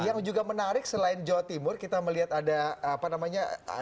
yang juga menarik selain jawa timur kita melihat ada apa namanya kawin cerai juga